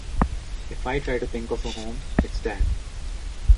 If I try to think of a home, it's that.